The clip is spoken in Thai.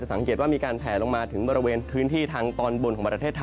สังเกตว่ามีการแผลลงมาถึงบริเวณพื้นที่ทางตอนบน